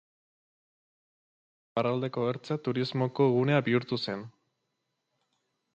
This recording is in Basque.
Sobietar garaietan, iparraldeko ertza turismorako gunea bihurtu zen.